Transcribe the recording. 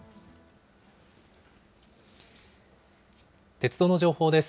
鉄道の情報です。